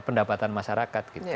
di pendapatan masyarakat